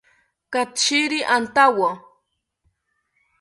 Katshiri antawo